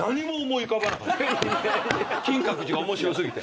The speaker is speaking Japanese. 金閣寺が面白過ぎて。